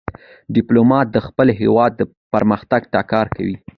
ډيپلومات د خپل هېواد پرمختګ ته کار کوي.